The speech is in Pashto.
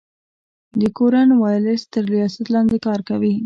د کورن والیس تر ریاست لاندي کار کوي.